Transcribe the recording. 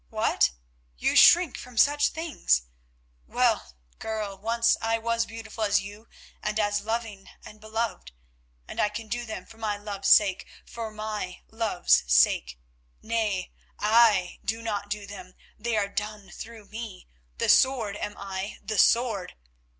What! You shrink from such things? Well, girl, once I was beautiful as you and as loving and beloved, and I can do them for my love's sake—for my love's sake. Nay, I do not do them, they are done through me. The Sword am I, the Sword!